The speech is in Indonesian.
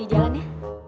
gak jadi pulangnya